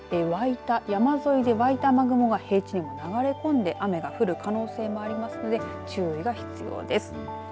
山沿いで沸いた雨雲が平地にも流れ込んで雨が降る可能性もありますので注意が必要です。